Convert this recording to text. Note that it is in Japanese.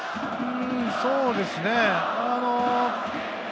そうですね。